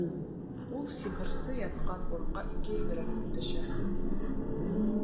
Ул сихырсы ятҡан урынға иңкәйеберәк өндәшә: